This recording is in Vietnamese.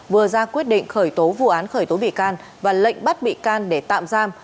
vừa ra quyết định khởi tố vụ án khởi tố bị can và lệnh bắt bị can để tạm giam